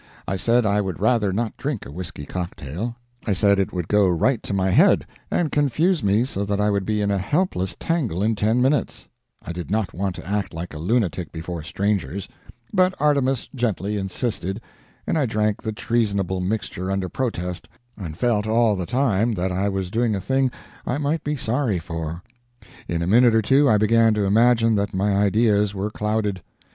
I said I would rather not drink a whisky cocktail. I said it would go right to my head, and confuse me so that I would be in a helpless tangle in ten minutes. I did not want to act like a lunatic before strangers. But Artemus gently insisted, and I drank the treasonable mixture under protest, and felt all the time that I was doing a thing I might be sorry for. In a minute or two I began to imagine that my ideas were clouded.